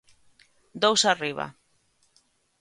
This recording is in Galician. Dous arriba.